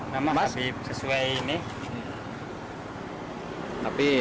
nama habib sesuai ini